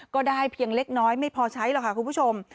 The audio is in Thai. ก็ได้เพียงเล็กน้อยไม่พอใช้หรอกค่ะคุณผู้ชม